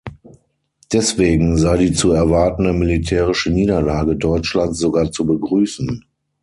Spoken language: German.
Deswegen sei die zu erwartende militärische Niederlage Deutschlands sogar zu begrüßen.